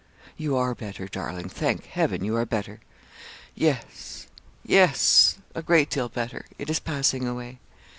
'You are better, darling; thank Heaven, you are better.' 'Yes yes a great deal better; it is passing away.'